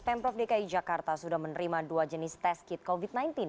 pemprov dki jakarta sudah menerima dua jenis test kit covid sembilan belas